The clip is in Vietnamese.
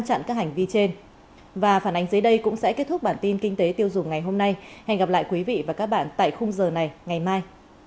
ngăn dưới đây cũng sẽ kết thúc bản tin kinh tế tiêu dùng ngày hôm nay hẹn gặp lại quý vị và các bạn tại khung giờ này ngày mai